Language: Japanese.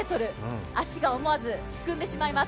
足がすくんでしまいます。